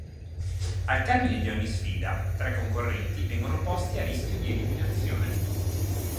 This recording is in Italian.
Al termine di ogni sfida, tre concorrenti vengono posti a rischio di eliminazione.